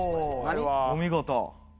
お見事！